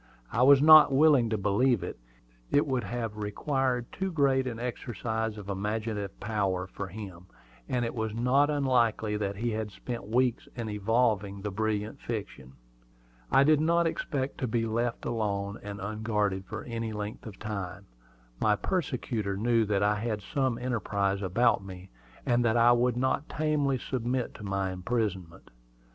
I was not willing to believe it. It would have required too great an exercise of imaginative power for him; and it was not unlikely that he had spent weeks in evolving the brilliant fiction. I did not expect to be left alone and unguarded for any great length of time. My persecutor knew that I had some enterprise about me, and that I would not tamely submit to my imprisonment.